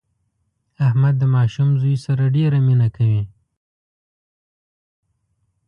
احمد د ماشوم زوی سره ډېره مینه کوي.